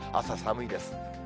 朝、寒いです。